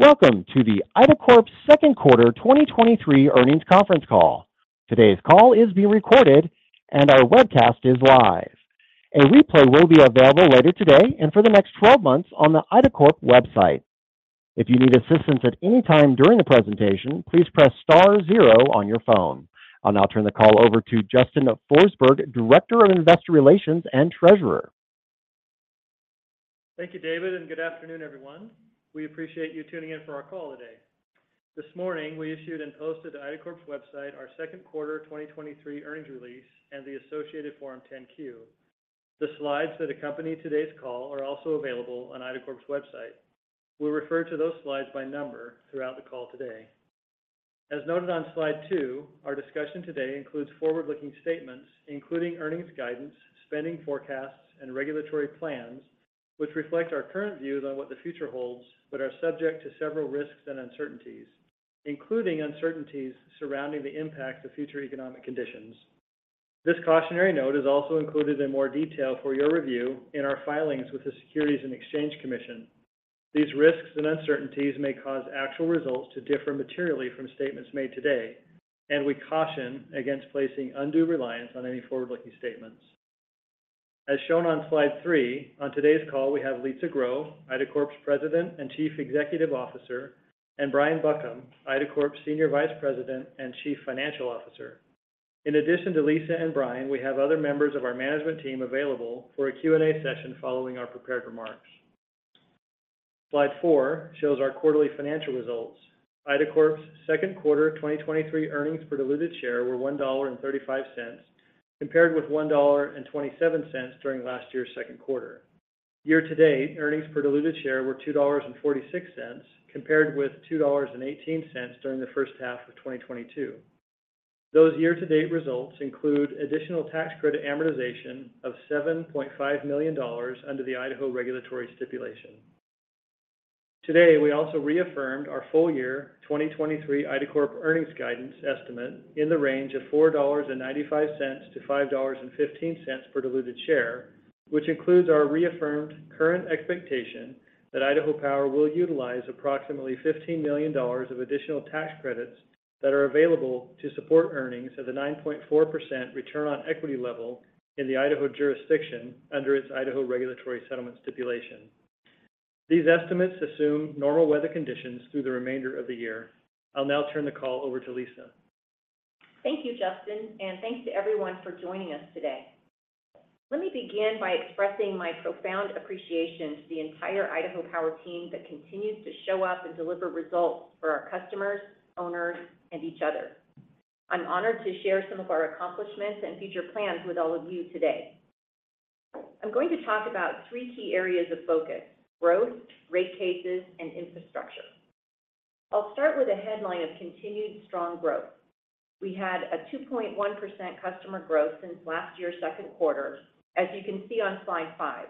Welcome to the IDACORP's second quarter 2023 earnings conference call. Today's call is being recorded, and our webcast is live. A replay will be available later today and for the next 12 months on the IDACORP website. If you need assistance at any time during the presentation, please press star zero on your phone. I'll now turn the call over to Justin Forsberg, Director of Investor Relations and Treasurer. Thank you, David, good afternoon, everyone. We appreciate you tuning in for our call today. This morning, we issued and posted to IDACORP's website our second quarter 2023 earnings release and the associated Form 10-Q. The slides that accompany today's call are also available on IDACORP's website. We'll refer to those slides by number throughout the call today. As noted on slide two, our discussion today includes forward-looking statements, including earnings guidance, spending forecasts, and regulatory plans, which reflect our current views on what the future holds, but are subject to several risks and uncertainties, including uncertainties surrounding the impact of future economic conditions. This cautionary note is also included in more detail for your review in our filings with the Securities and Exchange Commission. These risks and uncertainties may cause actual results to differ materially from statements made today. We caution against placing undue reliance on any forward-looking statements. As shown on slide three, on today's call, we have Lisa Grow, IDACORP's President and Chief Executive Officer, and Brian Buckham, IDACORP's Senior Vice President and Chief Financial Officer. In addition to Lisa and Brian, we have other members of our management team available for a Q&A session following our prepared remarks. Slide four shows our quarterly financial results. IDACORP's second quarter 2023 earnings per diluted share were $1.35, compared with $1.27 during last year's second quarter. Year to date, earnings per diluted share were $2.46, compared with $2.18 during the first 1/2 of 2022. Those year-to-date results include additional tax credit amortization of $7.5 million under the Idaho regulatory stipulation. Today, we also reaffirmed our full year 2023 IDACORP earnings guidance estimate in the range of $4.95-$5.15 per diluted share, which includes our reaffirmed current expectation that Idaho Power will utilize approximately $15 million of additional tax credits that are available to support earnings at the 9.4% return on equity level in the Idaho jurisdiction under its Idaho regulatory settlement stipulation. These estimates assume normal weather conditions through the remainder of the year. I'll now turn the call over to Lisa. Thank you, Justin. Thanks to everyone for joining us today. Let me begin by expressing my profound appreciation to the entire Idaho Power team that continues to show up and deliver results for our customers, owners, and each other. I'm honored to share some of our accomplishments and future plans with all of you today. I'm going to talk about three key areas of focus: growth, rate cases, and infrastructure. I'll start with a headline of continued strong growth. We had a 2.1 customer growth since last year's second quarter, as you can see on slide five.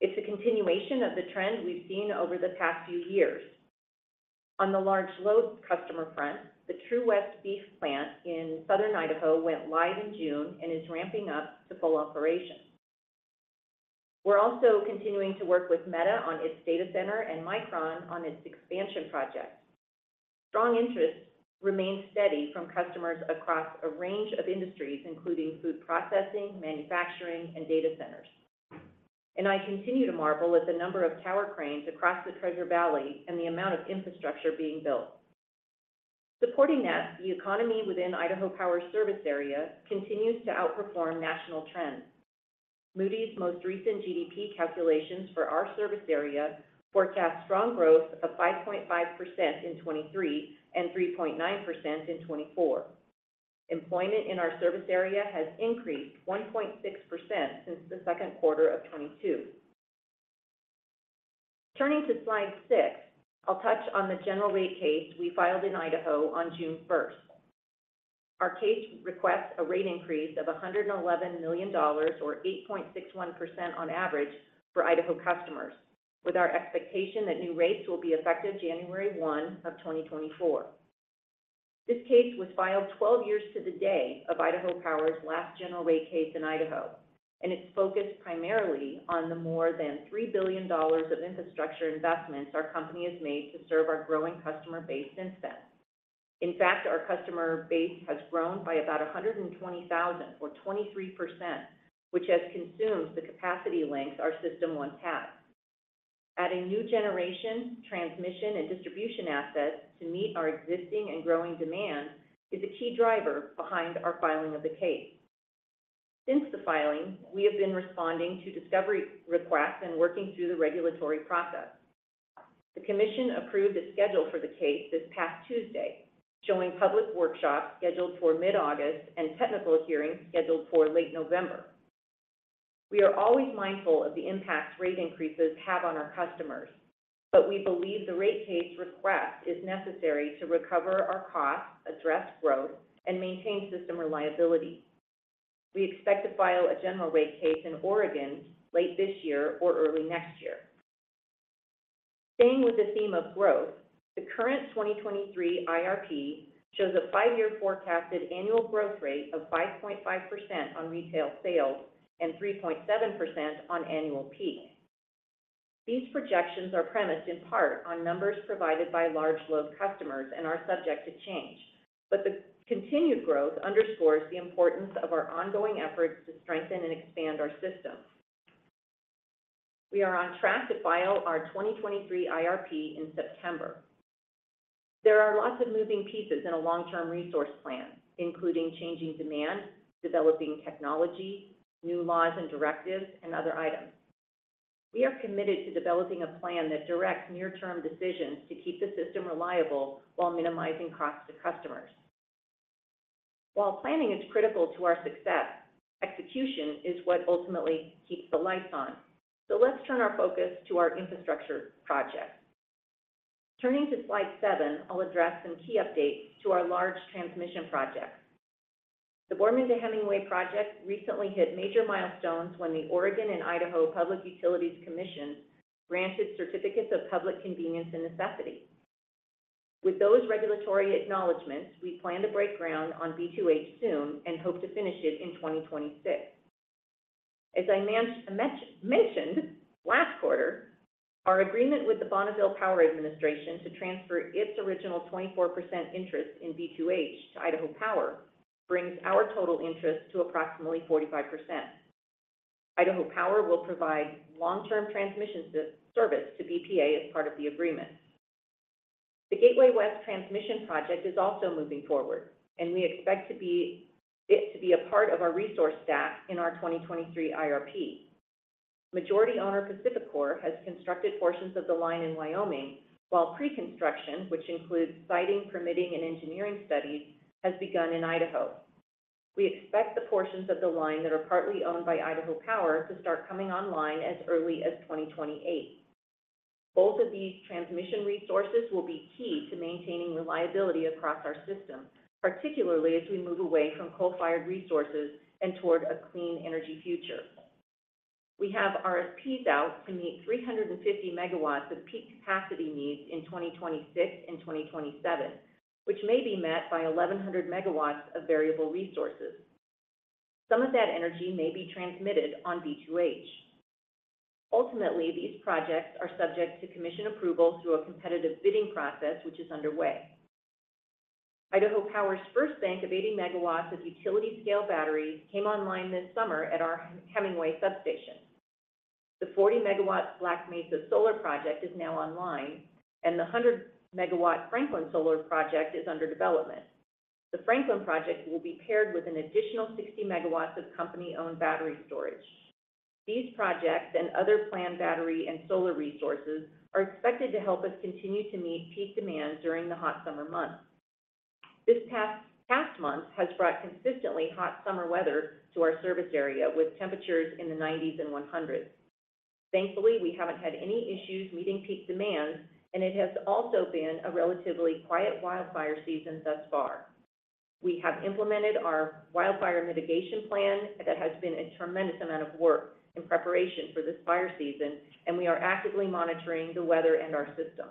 It's a continuation of the trend we've seen over the past few years. On the large load customer front, the True West Beef plant in Southern Idaho went live in June and is ramping up to full operation. We're also continuing to work with Meta on its data center and Micron on its expansion project. Strong interest remains steady from customers across a range of industries, including food processing, manufacturing, and data centers. I continue to marvel at the number of tower cranes across the Treasure Valley and the amount of infrastructure being built. Supporting that, the economy within Idaho Power service area continues to outperform national trends. Moody's most recent GDP calculations for our service area forecast strong growth of 5.5% in 2023 and 3.9% in 2024. Employment in our service area has increased 1.6% since the second quarter of 2022. Turning to slide six, I'll touch on the general rate case we filed in Idaho on June 1st. Our case requests a rate increase of $111 million or 8.61% on average for Idaho customers, with our expectation that new rates will be effective January 1, 2024. This case was filed 12 years to the day of Idaho Power's last general rate case in Idaho. It's focused primarily on the more than $3 billion of infrastructure investments our company has made to serve our growing customer base since then. In fact, our customer base has grown by about 120,000 or 23%, which has consumed the capacity links our system once had. Adding new generation, transmission, and distribution assets to meet our existing and growing demand is a key driver behind our filing of the case. Since the filing, we have been responding to discovery requests and working through the regulatory process. The commission approved a schedule for the case this past Tuesday, showing public workshops scheduled for mid-August and technical hearings scheduled for late November. We are always mindful of the impacts rate increases have on our customers, but we believe the general rate case request is necessary to recover our costs, address growth, and maintain system reliability. We expect to file a general rate case in Oregon late this year or early next year. Staying with the theme of growth... The current 2023 IRP shows a five year forecasted annual growth rate of 5.5% on retail sales and 3.7% on annual peak. These projections are premised in part on numbers provided by large load customers and are subject to change, but the continued growth underscores the importance of our ongoing efforts to strengthen and expand our system. We are on track to file our 2023 IRP in September. There are lots of moving pieces in a long-term resource plan, including changing demand, developing technology, new laws and directives, and other items. We are committed to developing a plan that directs near-term decisions to keep the system reliable while minimizing costs to customers. While planning is critical to our success, execution is what ultimately keeps the lights on. Let's turn our focus to our infrastructure project. Turning to slide seven, I'll address some key updates to our large transmission projects. The Boardman to Hemingway project recently hit major milestones when the Oregon and Idaho Public Utilities Commission granted certificates of public convenience and necessity. With those regulatory acknowledgements, we plan to break ground on B2H soon and hope to finish it in 2026. As I mentioned, mentioned last quarter, our agreement with the Bonneville Power Administration to transfer its original 24% interest in B2H to Idaho Power, brings our total interest to approximately 45%. Idaho Power will provide long-term transmission service to BPA as part of the agreement. The Gateway West Transmission Project is also moving forward. We expect it to be a part of our resource stack in our 2023 IRP. Majority owner, PacifiCorp, has constructed portions of the line in Wyoming, while pre-construction, which includes siting, permitting, and engineering studies, has begun in Idaho. We expect the portions of the line that are partly owned by Idaho Power to start coming online as early as 2028. Both of these transmission resources will be key to maintaining reliability across our system, particularly as we move away from coal-fired resources and toward a clean energy future. We have RFPs out to meet 350 MW of peak capacity needs in 2026 and 2027, which may be met by 1,100 MW of variable resources. Some of that energy may be transmitted on B2H. Ultimately, these projects are subject to commission approval through a competitive bidding process, which is underway. Idaho Power's first bank of 80 MW of utility-scale batteries came online this summer at our Hemingway substation. The 40 MW Black Mesa Solar Project is now online, and the 100 MW Franklin Solar Project is under development. The Franklin project will be paired with an additional 60 MW of company-owned battery storage. These projects and other planned battery and solar resources are expected to help us continue to meet peak demand during the hot summer months. This past month has brought consistently hot summer weather to our service area, with temperatures in the 90s and 100s. Thankfully, we haven't had any issues meeting peak demand, and it has also been a relatively quiet wildfire season thus far. We have implemented our wildfire mitigation plan. That has been a tremendous amount of work in preparation for this fire season, and we are actively monitoring the weather and our system.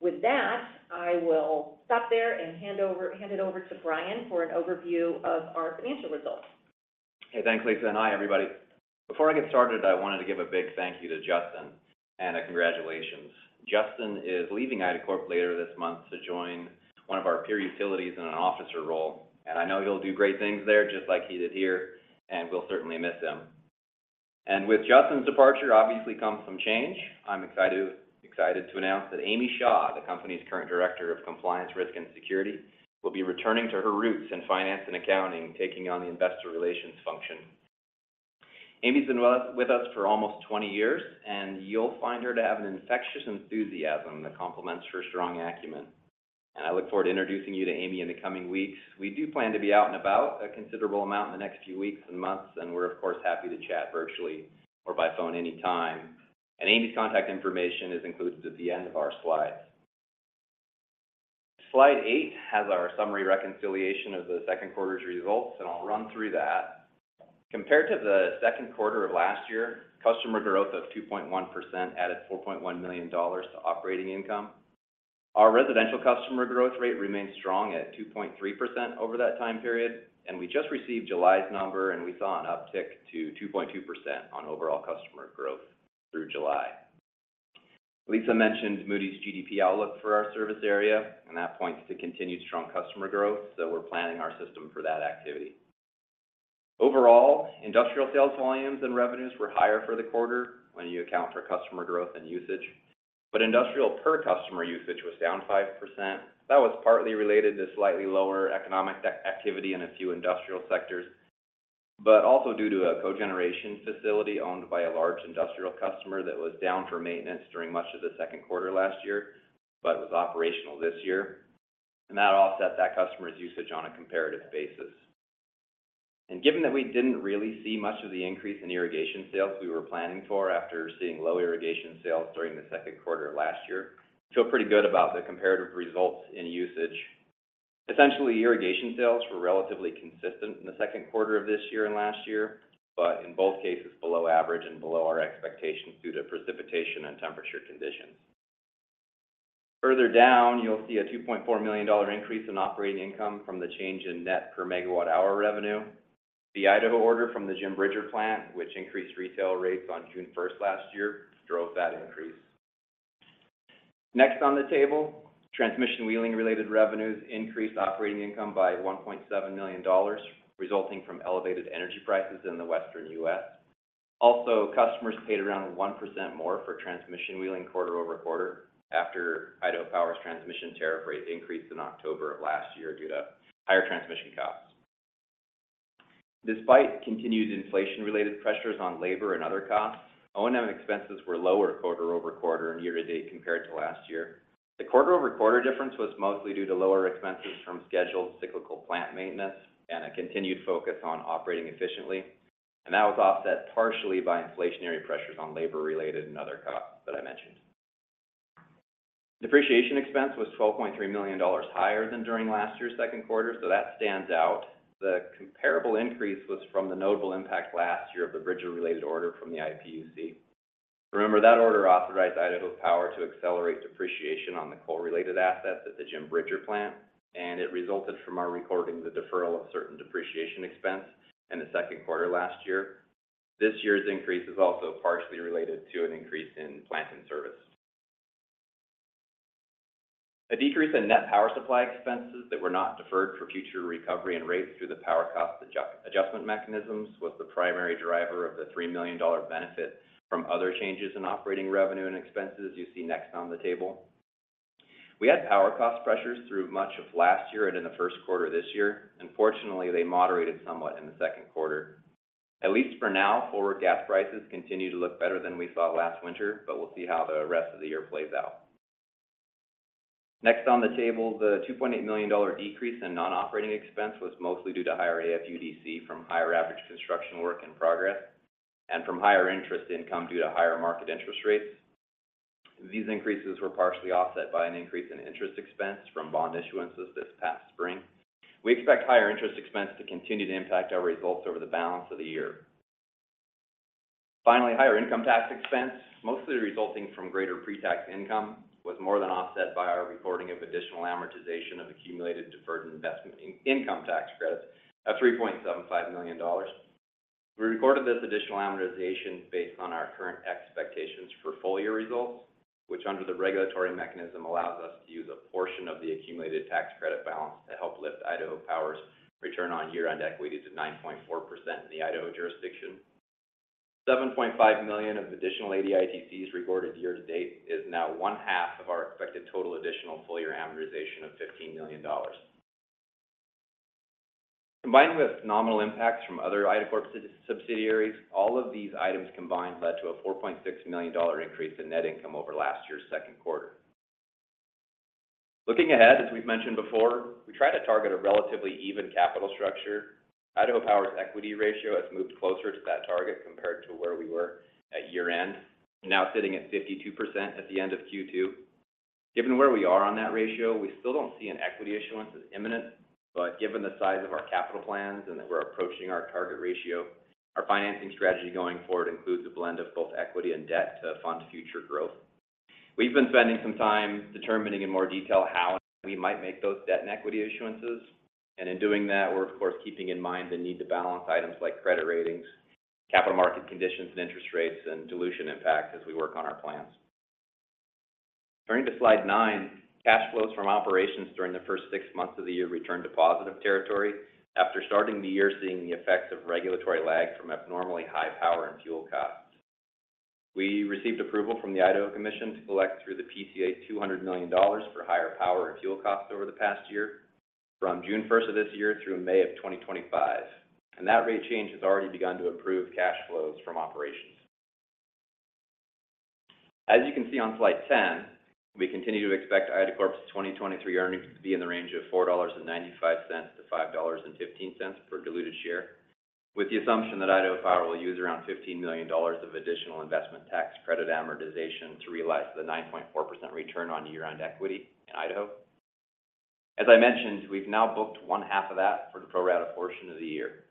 With that, I will stop there and hand it over to Brian for an overview of our financial results. Hey, thanks, Lisa. Hi, everybody. Before I get started, I wanted to give a big thank you to Justin and a congratulations. Justin is leaving IDACORP later this month to join one of our peer utilities in an officer role, and I know he'll do great things there, just like he did here, and we'll certainly miss him. With Justin's departure, obviously comes some change. I'm excited to announce that Amy Shaw, the company's current Director of Compliance, Risk and Security, will be returning to her roots in finance and accounting, taking on the investor relations function. Amy's been with us for almost 20 years, and you'll find her to have an infectious enthusiasm that complements her strong acumen. I look forward to introducing you to Amy in the coming weeks. We do plan to be out and about a considerable amount in the next few weeks and months, we're, of course, happy to chat virtually or by phone anytime. Amy's contact information is included at the end of our slides. Slide eight has our summary reconciliation of the second quarter's results, and I'll run through that. Compared to the second quarter of last year, customer growth of 2.1% added $4.1 million to operating income. Our residential customer growth rate remains strong at 2.3% over that time period, and we just received July's number, and we saw an uptick to 2.2% on overall customer growth through July. Lisa mentioned Moody's GDP outlook for our service area, and that points to continued strong customer growth, so we're planning our system for that activity. Overall, industrial sales volumes and revenues were higher for the quarter when you account for customer growth and usage. Industrial per customer usage was down 5%. That was partly related to slightly lower economic activity in a few industrial sectors, but also due to a cogeneration facility owned by a large industrial customer that was down for maintenance during much of the second quarter last year, but was operational this year. That offset that customer's usage on a comparative basis. Given that we didn't really see much of the increase in irrigation sales we were planning for after seeing low irrigation sales during the second quarter last year, feel pretty good about the comparative results in usage. Essentially, irrigation sales were relatively consistent in the second quarter of this year and last year, but in both cases, below average and below our expectations due to precipitation and temperature conditions. Further down, you'll see a $2.4 million increase in operating income from the change in net per megawatt-hour revenue. The Idaho order from the Jim Bridger plant, which increased retail rates on June 1st last year, drove that increase. Next on the table, transmission wheeling-related revenues increased operating income by $1.7 million, resulting from elevated energy prices in the Western U.S. Also, customers paid around 1% more for transmission wheeling quarter-over-quarter, after Idaho Power's transmission tariff rate increased in October of last year due to higher transmission costs. Despite continued inflation-related pressures on labor and other costs, O&M expenses were lower quarter-over-quarter and year-to-date compared to last year. The quarter-over-quarter difference was mostly due to lower expenses from scheduled cyclical plant maintenance and a continued focus on operating efficiently. That was offset partially by inflationary pressures on labor-related and other costs that I mentioned. Depreciation expense was $12.3 million higher than during last year's second quarter. That stands out. The comparable increase was from the notable impact last year of the Bridger-related order from the IPUC. Remember, that order authorized Idaho Power to accelerate depreciation on the coal-related assets at the Jim Bridger plant. It resulted from our recording the deferral of certain depreciation expense in the second quarter last year. This year's increase is also partially related to an increase in plant and service. A decrease in net power supply expenses that were not deferred for future recovery and rates through the power cost adjustment mechanisms, was the primary driver of the $3 million benefit from other changes in operating revenue and expenses you see next on the table. We had power cost pressures through much of last year and in the first quarter this year. Unfortunately, they moderated somewhat in the second quarter. At least for now, forward gas prices continue to look better than we saw last winter, but we'll see how the rest of the year plays out. Next on the table, the $2.8 million decrease in non-operating expense was mostly due to higher AFUDC from higher average construction work in progress and from higher interest income due to higher market interest rates. These increases were partially offset by an increase in interest expense from bond issuances this past spring. We expect higher interest expense to continue to impact our results over the balance of the year. Finally, higher income tax expense, mostly resulting from greater pre-tax income, was more than offset by our reporting of additional amortization of accumulated deferred investment in income tax credits of $3.75 million. We recorded this additional amortization based on our current expectations for full year results, which under the regulatory mechanism, allows us to use a portion of the accumulated tax credit balance to help lift Idaho Power's return on year-end equity to 9.4% in the Idaho jurisdiction. $7.5 million of additional ADITCs recorded year to date is now one half of our expected total additional full year amortization of $15 million. Combined with nominal impacts from other IDACORP subsidiaries, all of these items combined led to a $4.6 million increase in net income over last year's second quarter. Looking ahead, as we've mentioned before, we try to target a relatively even capital structure. Idaho Power's equity ratio has moved closer to that target compared to where we were at year-end, now sitting at 52% at the end of Q2. Given where we are on that ratio, we still don't see an equity issuance as imminent, but given the size of our capital plans and that we're approaching our target ratio, our financing strategy going forward includes a blend of both equity and debt to fund future growth. We've been spending some time determining in more detail how we might make those debt and equity issuances, and in doing that, we're of course, keeping in mind the need to balance items like credit ratings, capital market conditions and interest rates, and dilution impacts as we work on our plans. Turning to slide nine, cash flows from operations during the first 6 months of the year returned to positive territory after starting the year seeing the effects of regulatory lag from abnormally high power and fuel costs. We received approval from the Idaho Commission to collect through the PCA, $200 million for higher power and fuel costs over the past year, from June first of this year through May of 2025. That rate change has already begun to improve cash flows from operations. As you can see on slide 10, we continue to expect IDACORP's 2023 earnings to be in the range of $4.95-$5.15 per diluted share, with the assumption that Idaho Power will use around $15 million of additional investment tax credit amortization to realize the 9.4% return on year-end equity in Idaho. As I mentioned, we've now booked one half of that for the pro rata portion of the year.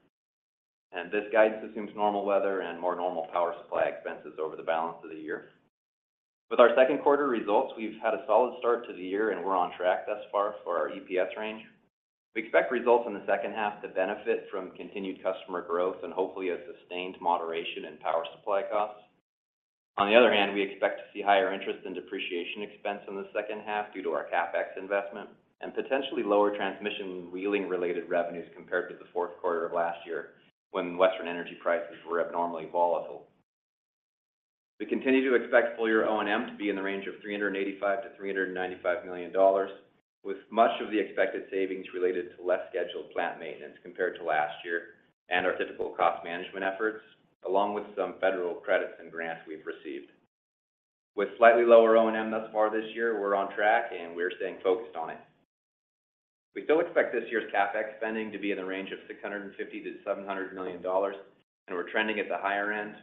This guide assumes normal weather and more normal power supply expenses over the balance of the year. With our second quarter results, we've had a solid start to the year. We're on track thus far for our EPS range. We expect results in the second half to benefit from continued customer growth and hopefully a sustained moderation in power supply costs. On the other hand, we expect to see higher interest and depreciation expense in the second half due to our CapEx investment and potentially lower transmission wheeling-related revenues compared to the fourth quarter of last year, when Western energy prices were abnormally volatile. We continue to expect full year O&M to be in the range of $385 million-$395 million, with much of the expected savings related to less scheduled plant maintenance compared to last year and our typical cost management efforts, along with some federal credits and grants we've received. With slightly lower O&M thus far this year, we're on track, and we're staying focused on it. We still expect this year's CapEx spending to be in the range of $650 million-$700 million. We're trending at the higher end.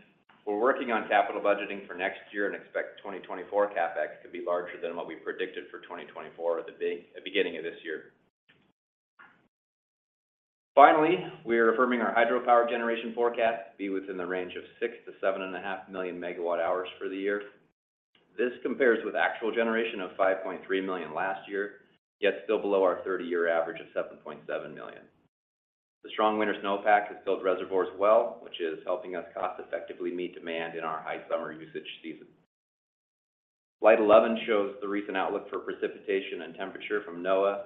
We're working on capital budgeting for next year, expect 2024 CapEx to be larger than what we predicted for 2024 at the beginning of this year. Finally, we are affirming our hydropower generation forecast to be within the range of 6 million-7.5 million MWh for the year. This compares with actual generation of 5.3 million last year, yet still below our 30-year average of 7.7 million. The strong winter snowpack has filled reservoirs well, which is helping us cost effectively meet demand in our high summer usage season. Slide 11 shows the recent outlook for precipitation and temperature from NOAA.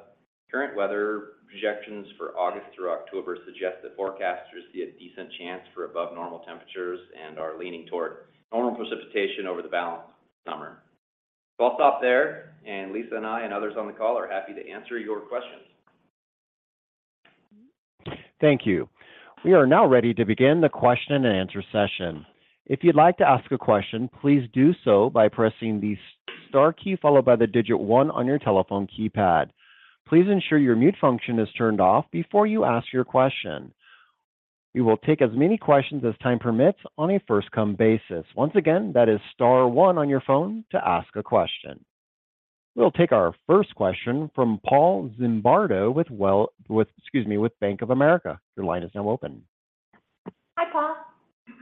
Current weather projections for August through October suggest that forecasters see a decent chance for above normal temperatures and are leaning toward normal precipitation over the balance of the summer. I'll stop there, and Lisa and I, and others on the call are happy to answer your questions. Thank you. We are now ready to begin the question and answer session. If you'd like to ask a question, please do so by pressing the star key, followed by the digit one on your telephone keypad. Please ensure your mute function is turned off before you ask your question. We will take as many questions as time permits on a first-come basis. Once again, that is star one on your phone to ask a question. We'll take our first question from Paul Zimbardo with, excuse me, with Bank of America. Your line is now open. Hi, Paul.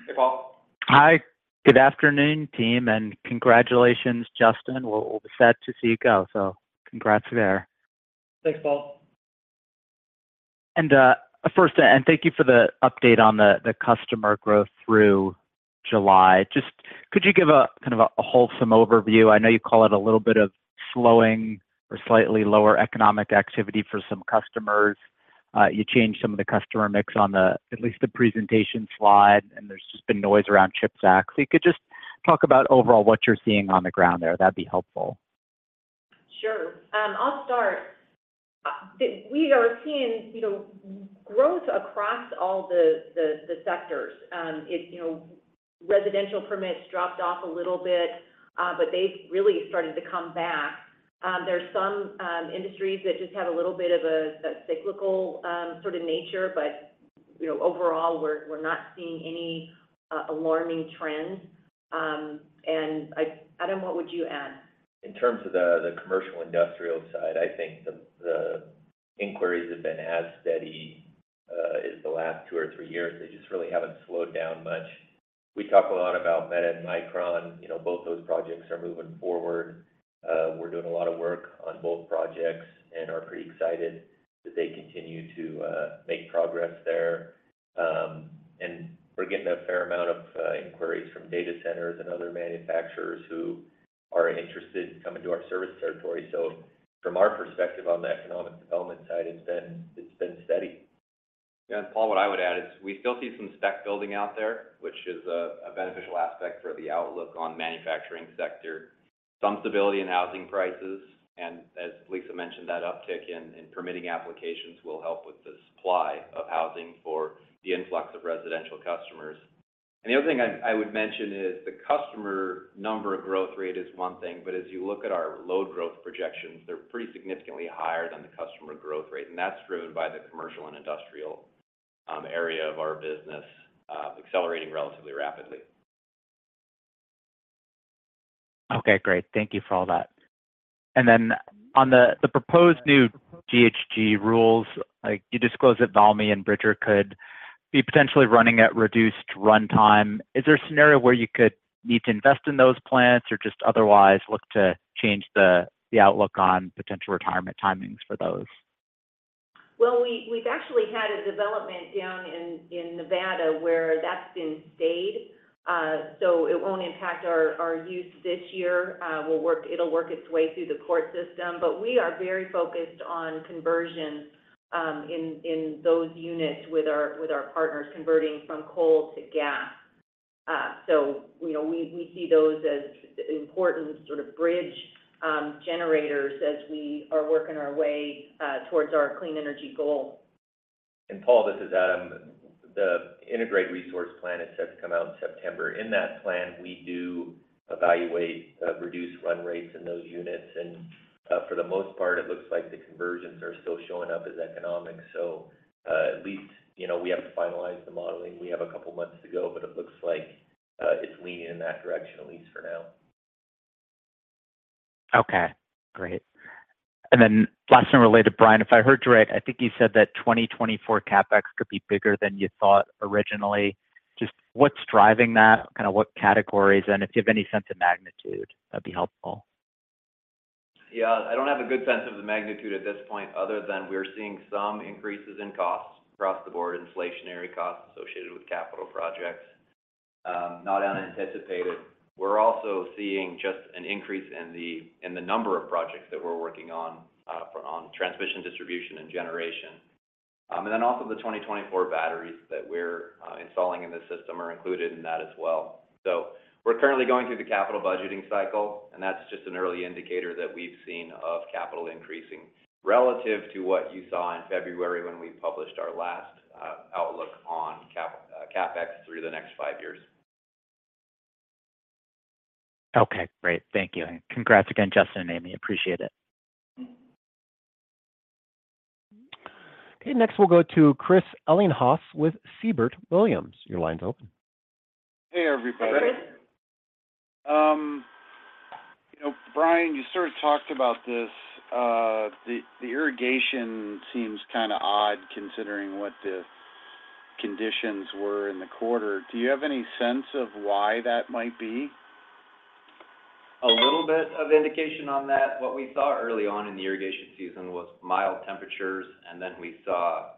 Hey, Paul. Hi, good afternoon, team, and congratulations, Justin. We're, we're sad to see you go, so congrats there. Thanks, Paul. First, and thank you for the update on the customer growth through July. Just could you give a kind of a wholesome overview? I know you call it a little bit of slowing or slightly lower economic activity for some customers. You changed some of the customer mix on the at least the presentation slide, and there's just been noise around CHIPS Act. If you could just talk about overall what you're seeing on the ground there, that'd be helpful. Sure. I'll start. The-- we are seeing, you know, growth across all the, the, the sectors. It's, you know, residential permits dropped off a little bit, but they've really started to come back. There's some industries that just have a little bit of a cyclical sort of nature, but, you know, overall, we're, we're not seeing any alarming trends. I-- Adam, what would you add? In terms of the commercial industrial side, I think the inquiries have been as steady as the last two or three years. They just really haven't slowed down much. We talk a lot about Meta and Micron. You know, both those projects are moving forward. We're doing a lot of work on both projects and are pretty excited that they continue to make progress there. We're getting a fair amount of inquiries from data centers and other manufacturers who are interested in coming to our service territory. From our perspective on the economic development side, it's been, it's been steady. Paul, what I would add is we still see some spec building out there, which is a beneficial aspect for the outlook on manufacturing sector. Some stability in housing prices, as Lisa mentioned, that uptick in, in permitting applications will help with the supply of housing for the influx of residential customers. The other thing I, I would mention is the customer number of growth rate is one thing, but as you look at our load growth projections, they're pretty significantly higher than the customer growth rate, and that's driven by the commercial and industrial area of our business accelerating relatively rapidly. Okay, great. Thank you for all that. On the, the proposed new GHG rules, like, you disclose that Valmy and Bridger could be potentially running at reduced runtime. Is there a scenario where you could need to invest in those plants or just otherwise look to change the, the outlook on potential retirement timings for those? Well, we, we've actually had a development down in, in Nevada where that's been stayed. It won't impact our, our use this year. It'll work its way through the court system. We are very focused on conversions, in, in those units with our, with our partners, converting from coal to gas. You know, we, we see those as important sort of bridge, generators as we are working our way, towards our clean energy goal. Paul, this is Adam. The integrated resource plan is set to come out in September. In that plan, we do evaluate reduced run rates in those units, and for the most part, it looks like the conversions are still showing up as economic. At least, you know, we have to finalize the modeling. We have a couple of months to go, but it looks like it's leaning in that direction, at least for now. Okay, great. And then last and related, Brian, if I heard you right, I think you said that 2024 CapEx could be bigger than you thought originally. Just what's driving that? Kinda what categories, and if you have any sense of magnitude, that'd be helpful. Yeah. I don't have a good sense of the magnitude at this point, other than we're seeing some increases in costs across the board, inflationary costs associated with capital projects. not unanticipated. We're also seeing just an increase in the, in the number of projects that we're working on, on transmission, distribution, and generation. And then also the 2024 batteries that we're installing in the system are included in that as well. We're currently going through the capital budgeting cycle, and that's just an early indicator that we've seen of capital increasing relative to what you saw in February when we published our last outlook on CapEx through the next five years. Okay, great. Thank you. Congrats again, Justin and I appreciate it.... Okay, next, we'll go to Chris Ellinghaus with Siebert Williams. Your line's open. Hey, everybody. Hey, Chris. You know, Brian, you sort of talked about this. The, the irrigation seems kind of odd considering what the conditions were in the quarter. Do you have any sense of why that might be? A little bit of indication on that. What we saw early on in the irrigation season was mild temperatures, and then we saw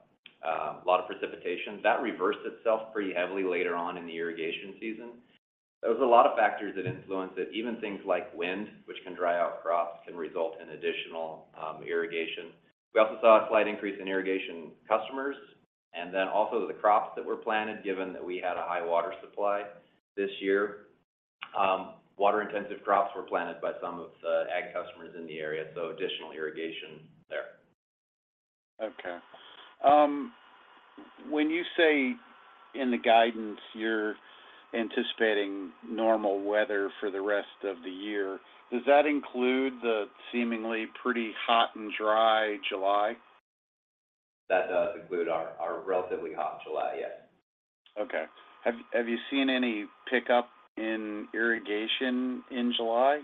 a lot of precipitation. That reversed itself pretty heavily later on in the irrigation season. There was a lot of factors that influenced it. Even things like wind, which can dry out crops, can result in additional irrigation. We also saw a slight increase in irrigation customers, and then also the crops that were planted, given that we had a high water supply this year. Water-intensive crops were planted by some of the ag customers in the area, so additional irrigation there. Okay. When you say in the guidance you're anticipating normal weather for the rest of the year, does that include the seemingly pretty hot and dry July? That does include our, our relatively hot July, yes. Okay. Have you seen any pickup in irrigation in July?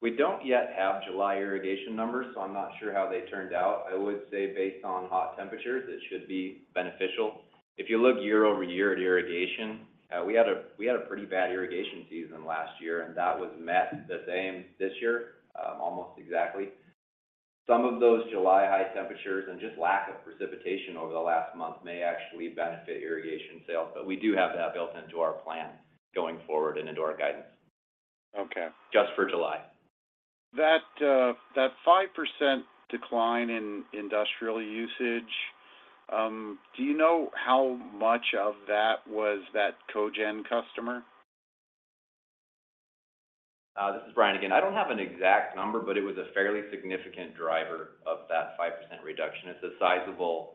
We don't yet have July irrigation numbers, so I'm not sure how they turned out. I would say, based on hot temperatures, it should be beneficial. If you look year-over-year at irrigation, we had a pretty bad irrigation season last year, and that was met the same this year, almost exactly. Some of those July high temperatures and just lack of precipitation over the last month may actually benefit irrigation sales, but we do have that built into our plan going forward and into our guidance. Okay. Just for July. That, that 5% decline in industrial usage, do you know how much of that was that cogen customer? This is Brian again. I don't have an exact number, but it was a fairly significant driver of that 5% reduction. It's a sizable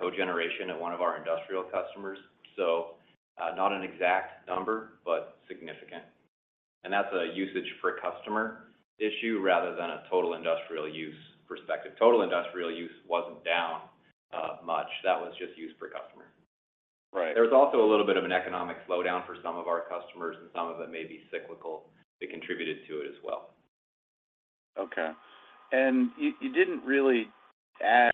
cogeneration at one of our industrial customers, not an exact number, but significant. That's a usage per customer issue rather than a total industrial use perspective. Total industrial use wasn't down much. That was just use per customer. Right. There was also a little bit of an economic slowdown for some of our customers, and some of it may be cyclical. It contributed to it as well. Okay. You, you didn't really add,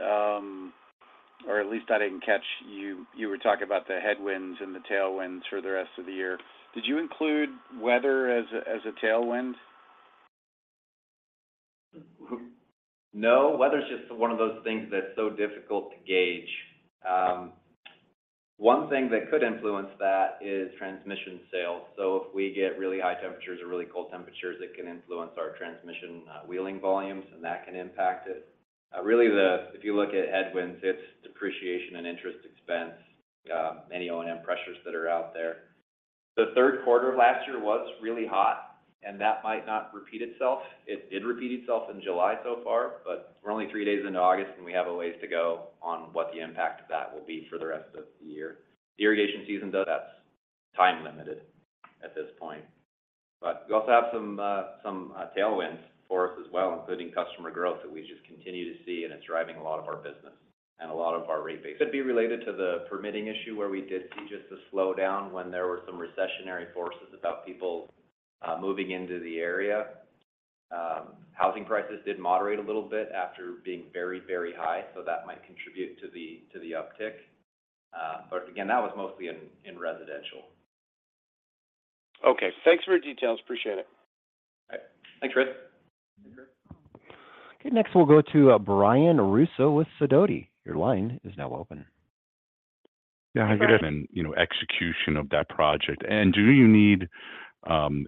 or at least I didn't catch you. You were talking about the headwinds and the tailwinds for the rest of the year. Did you include weather as a, as a tailwind? No. Weather's just one of those things that's so difficult to gauge. One thing that could influence that is transmission sales. If we get really high temperatures or really cold temperatures, it can influence our transmission, wheeling volumes, and that can impact it. If you look at headwinds, it's depreciation and interest expense, any O&M pressures that are out there. The third quarter of last year was really hot, and that might not repeat itself. It did repeat itself in July so far, but we're only three days into August, and we have a ways to go on what the impact of that will be for the rest of the year. The irrigation season, though, that's time-limited at this point. We also have some, some tailwinds for us as well, including customer growth that we just continue to see, and it's driving a lot of our business and a lot of our rate base. Could be related to the permitting issue, where we did see just a slowdown when there were some recessionary forces about people moving into the area. Housing prices did moderate a little bit after being very, very high, so that might contribute to the, to the uptick. Again, that was mostly in, in residential. Okay. Thanks for your details. Appreciate it. All right. Thanks, Chris. Okay, next we'll go to Brian Russo with Sidoti. Your line is now open. Yeah, hi, good afternoon. You know, execution of that project. Do you need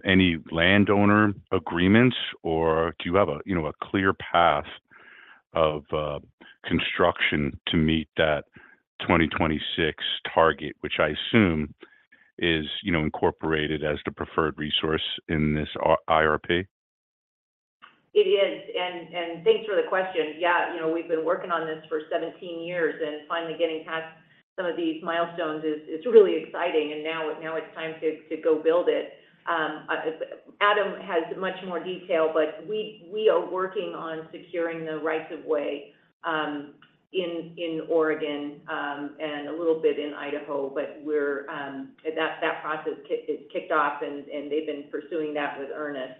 any landowner agreements, or do you have a, you know, a clear path of construction to meet that 2026 target, which I assume is, you know, incorporated as the preferred resource in this IRP? It is. Thanks for the question. Yeah, you know, we've been working on this for 17 years, and finally getting past some of these milestones is really exciting, and now it's time to go build it. Adam has much more detail, but we are working on securing the rights of way in Oregon and a little bit in Idaho. We're. That process is kicked off, and they've been pursuing that with earnest.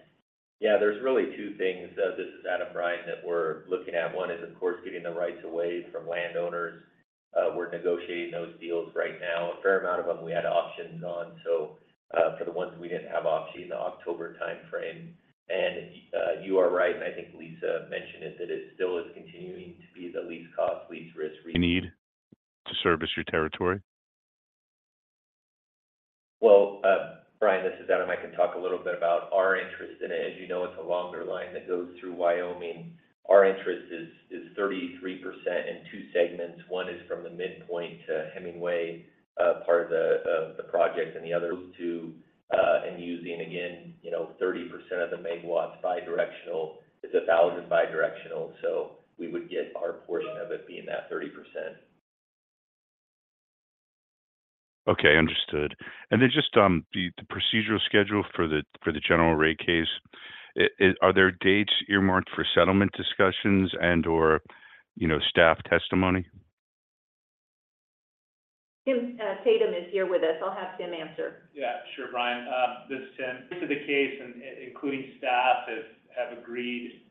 Yeah, there's really two things, this is Adam Richins, that we're looking at. One is, of course, getting the rights of way from landowners. We're negotiating those deals right now. A fair amount of them we had options on, so, for the ones we didn't have options in the October timeframe. You are right, and I think Lisa mentioned it, that it still is continuing to be the least cost, least risk re- You need to service your territory? Brian, this is Adam. I can talk a little bit about our interest in it. As you know, it's a longer line that goes through Wyoming. Our interest is 33% in two segments. One is from the midpoint to Hemingway, part of the project, and the other two, and using, again, you know, 30% of the MW bidirectional. It's 1,000 bidirectional, so we would get our portion of it being that 30%. Okay, understood. Then just, the, the procedural schedule for the, for the general rate case, are there dates earmarked for settlement discussions and or, you know, staff testimony? Tim Tatum is here with us. I'll have Tim answer. Yeah, sure, Brian. This is Tim. This is the case, and including staff, have, have agreed,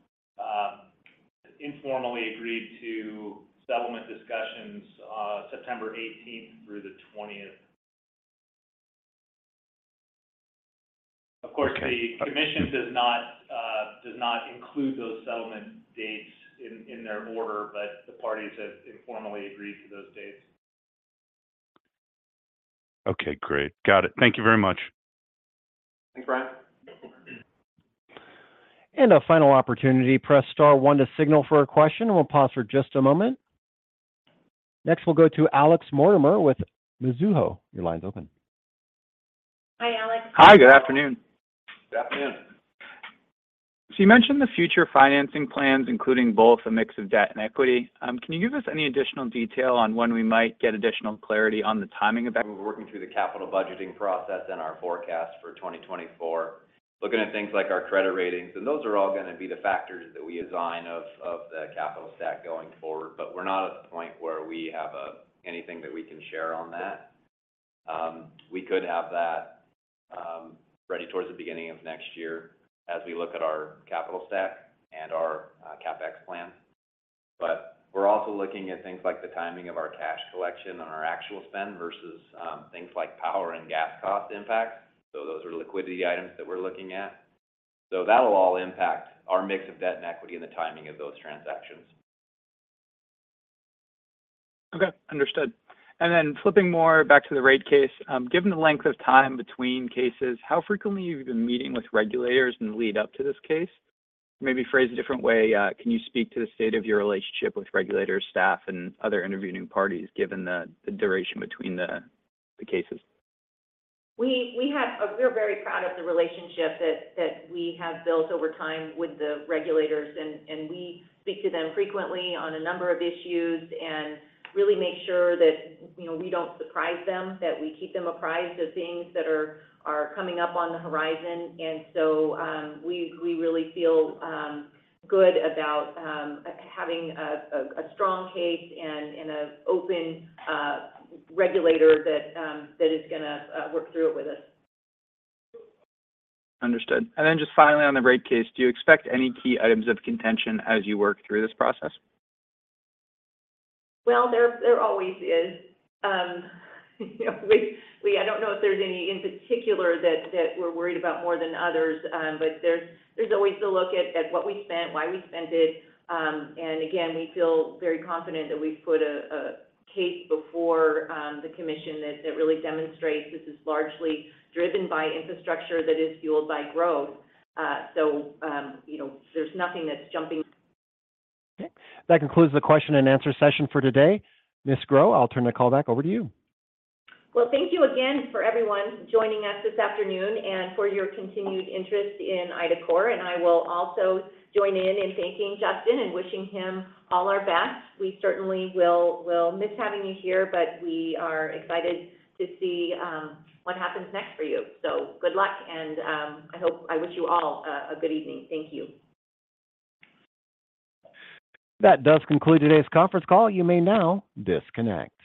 informally agreed to settlement discussions on September 18th through the 20th. Okay. Of course, the commission does not, does not include those settlement dates in, in their order, but the parties have informally agreed to those dates. Okay, great. Got it. Thank you very much. Thanks, Brian. A final opportunity, press star one to signal for a question. We'll pause for just a moment. Next, we'll go to Alex Mortimer with Mizuho. Your line's open. Hi, Alex. Hi, good afternoon. Good afternoon. You mentioned the future financing plans, including both a mix of debt and equity. Can you give us any additional detail on when we might get additional clarity on the timing of that? We're working through the capital budgeting process and our forecast for 2024, looking at things like our credit ratings, and those are all gonna be the factors that we design of, of the capital stack going forward. We're not at the point where we have anything that we can share on that. We could have that ready towards the beginning of next year as we look at our capital stack and our CapEx plan. We're also looking at things like the timing of our cash collection on our actual spend versus things like power and gas cost impacts. Those are liquidity items that we're looking at. That'll all impact our mix of debt and equity in the timing of those transactions. Okay, understood. Then flipping more back to the rate case, given the length of time between cases, how frequently have you been meeting with regulators in the lead up to this case? Maybe phrased a different way, can you speak to the state of your relationship with regulators, staff, and other interviewing parties, given the duration between the cases? We're very proud of the relationship that we have built over time with the regulators, and we speak to them frequently on a number of issues and really make sure that, you know, we don't surprise them, that we keep them apprised of things that are coming up on the horizon. So, we really feel good about having a strong case and an open regulator that is gonna work through it with us. Understood. Then just finally on the rate case, do you expect any key items of contention as you work through this process? Well, there, there always is. We I don't know if there's any in particular that, that we're worried about more than others, but there's, there's always the look at, at what we spent, why we spent it. Again, we feel very confident that we've put a, a case before, the commission that, that really demonstrates this is largely driven by infrastructure that is fueled by growth. You know, there's nothing that's jumping. Okay, that concludes the question and answer session for today. Ms. Grow, I'll turn the call back over to you. Well, thank you again for everyone joining us this afternoon and for your continued interest in IDACORP, and I will also join in in thanking Justin and wishing him all our best. We certainly will, will miss having you here, but we are excited to see, what happens next for you. Good luck, and I wish you all a, a good evening. Thank you. That does conclude today's conference call. You may now disconnect.